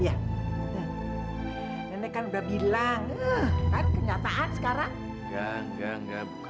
hai nenek kan udah bilang kenyataan sekarang gak satu ratus lima